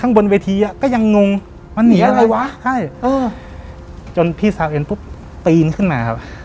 ข้างบนเวทีก็ยังงงมาหนีอะไรวะจนพี่สาวเอ็นปุ๊บปีนขึ้นมาครับ